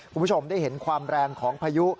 คุณผู้ชมได้เห็นความแรงของพายุ